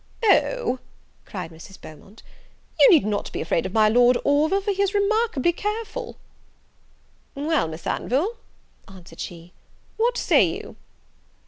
"O," cried Mrs. Beaumont, "you need not be afraid of my Lord Orville, for he is remarkably careful." "Well, Miss Anville," answered she, "what say you?"